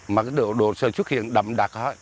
mà cái độ sợi xuất hiện đậm đặc